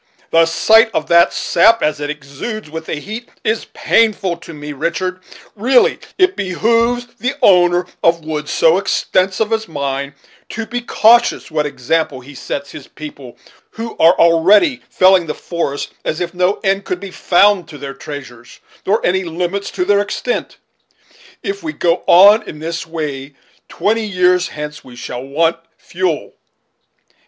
The sight of that sap, as it exudes with the heat, is painful to me, Richard, Really, it behooves the owner of woods so extensive as mine, to be cautious what example he sets his people, who are already felling the forests as if no end could be found to their treasures, nor any limits to their extent. If we go on in this way, twenty years hence we shall want fuel."